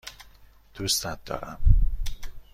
دوستت دارم.